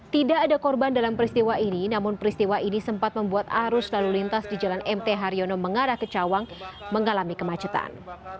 tidak ada korban dalam peristiwa ini namun peristiwa ini sempat membuat arus lalu lintas di jalan mt haryono mengarah ke cawang mengalami kemacetan